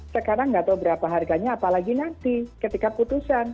sekarang nggak tahu berapa harganya apalagi nanti ketika putusan